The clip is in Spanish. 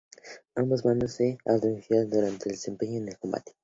Ambos bandos se adjudican el buen desempeño en el combate.